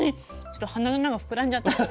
ちょっと鼻の穴が膨らんじゃった。